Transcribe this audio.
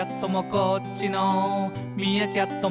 「こっちのミーアキャットも」